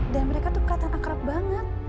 dan mereka tuh keliatan akrab banget